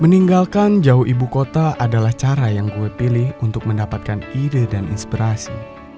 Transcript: meninggalkan jauh ibu kota adalah cara yang gue pilih untuk mendapatkan ide dan inspirasi